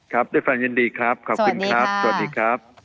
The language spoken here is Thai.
ครับได้ฟังยินดีครับขอบคุณครับสวัสดีครับ